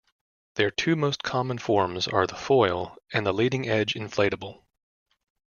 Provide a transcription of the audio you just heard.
Their two most common forms are the foil, and the leading edge inflatable.